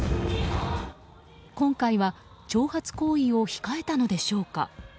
今回は挑発行為を控えたのでしょうか。